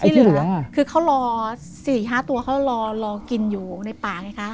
เหลือคือเขารอ๔๕ตัวเขารอกินอยู่ในป่าไงคะ